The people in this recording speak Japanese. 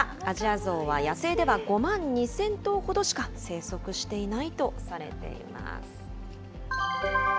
アジアゾウは野生では５万２０００頭ほどしか生息していないとされています。